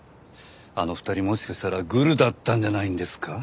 あの２人もしかしたらグルだったんじゃないんですか？